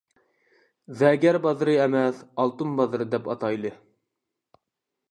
زەرگەر بازىرى ئەمەس، ئالتۇن بازىرى دەپ ئاتايلى.